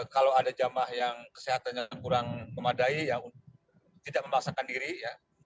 kalau ada jamaah yang kesehatannya kurang memadai ya tidak memaksakan diri ya